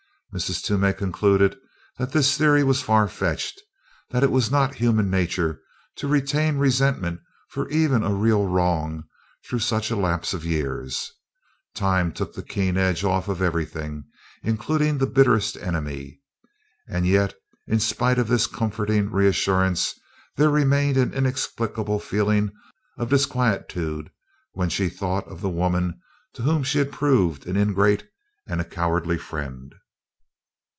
Mrs. Toomey concluded that this theory was farfetched that it was not human nature to retain resentment for even a real wrong through such a lapse of years. Time took the keen edge off of everything, including the bitterest enemy. And yet, in spite of this comforting reassurance, there remained an inexplicable feeling of disquietude when she thought of the woman to whom she had proved an ingrate and a cowardly friend.